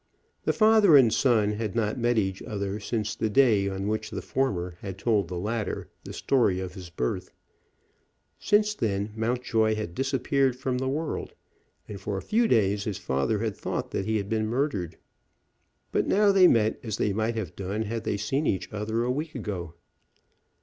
The father and son had not met each other since the day on which the former had told the latter the story of his birth. Since then Mountjoy had disappeared from the world, and for a few days his father had thought that he had been murdered. But now they met as they might have done had they seen each other a week ago.